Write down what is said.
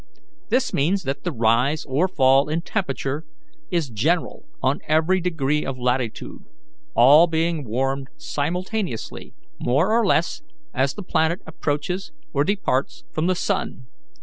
This means that the rise or fall in temperature is general on every degree of latitude, all being warmed simultaneously, more or less, as the planet approaches or departs from the sun.